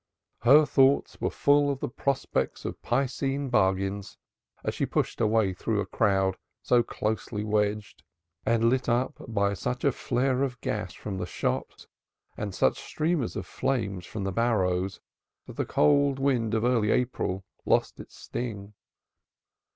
Her thoughts were full of the prospects of piscine bargains, as she pushed her way through a crowd so closely wedged, and lit up by such a flare of gas from the shops and such streamers of flame from the barrows that the cold wind of early April lost its sting.